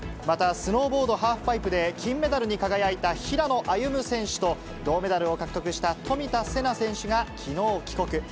また、スノーボードハーフパイプで金メダルに輝いた平野歩夢選手と、銅メダルを獲得した冨田せな選手が、きのう帰国。